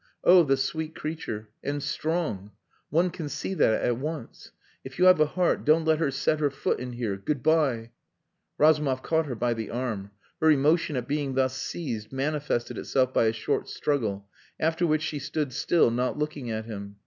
Oh, the sweet creature! And strong! One can see that at once. If you have a heart don't let her set her foot in here. Good bye!" Razumov caught her by the arm. Her emotion at being thus seized manifested itself by a short struggle, after which she stood still, not looking at him.